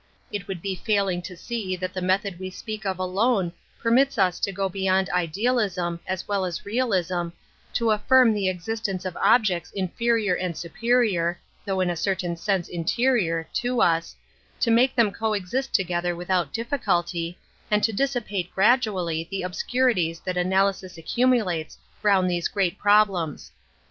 It wonld be fail ing to see that the method we speak of alone permits us to go beyond idealism, as well as realism, to affirm the existence of objects inferior and superior (though in a certain sense interior) to us, to make them co exist together without difficulty, and to dissipate gradually the obscurities that analysis accumulates round these great problems.